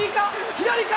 左か？